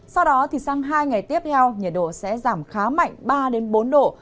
sau đó thì sang hai ngày tiếp theo nhiệt độ sẽ giảm khá mạnh ba đến bốn độ